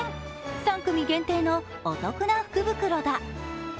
３組限定のお得な福袋だ。